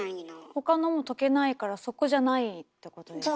他のも溶けないからそこじゃないってことですね。